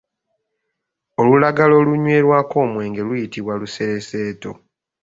Olulagala olunywerwako omwenge luyitibwa lusereseeto.